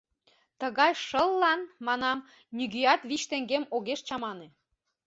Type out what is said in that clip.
Тыгай шыллан, манам, нигӧат вич теҥгем огеш чамане.